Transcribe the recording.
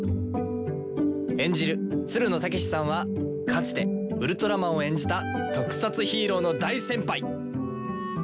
演じるつるの剛士さんはかつてウルトラマンを演じた特撮ヒーローの大先輩！